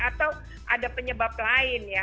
atau ada penyebab lain ya